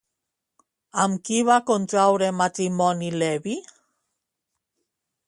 Amb qui va contraure matrimoni Leví?